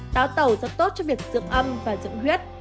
táo tàu rất tốt cho việc dưỡng âm và dưỡng huyết